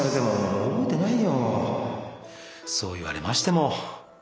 そう言われましても。